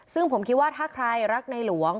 ซึ่งผมคิดว่าถ้าใครรักในหลวง